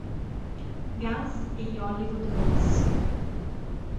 Guns e gli Hollywood Rose.